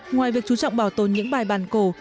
ngoài việc chú trọng bảo tồn những bài bàn cổ